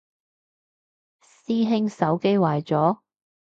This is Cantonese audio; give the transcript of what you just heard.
師兄手機壞咗？